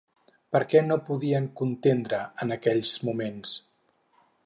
Per què no podien contendre en aquells moments?